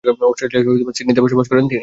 অস্ট্রেলিয়ার সিডনিতে বসবাস করেন।